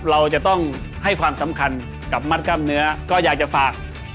เราจะต้องให้ความสำคัญกับมัดกล้ามเนื้อก็อยากจะฝาก